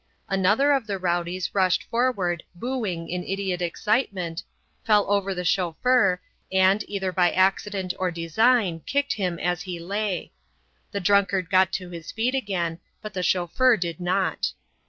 Another of the rowdies rushed forward booing in idiot excitement, fell over the chauffeur, and, either by accident or design, kicked him as he lay. The drunkard got to his feet again; but the chauffeur did not.